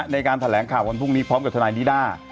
ในการแถลงข่าววันพรุ่งนี้พร้อมกับทนายนิด้า